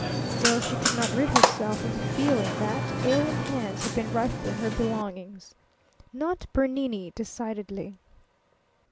Still she could not rid herself of the feeling that alien hands had been rifling her belongings. Not Bernini, decidedly.